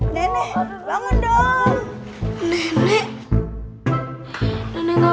nenek bangun dong